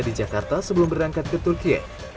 di jakarta sebelum berangkat ke turkiye